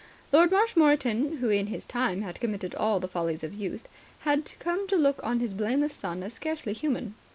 Lord Marshmoreton, who in his time had committed all the follies of youth, had come to look on his blameless son as scarcely human.